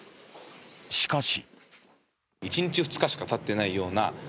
しかし。